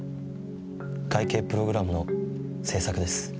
会計プログラムの製作です。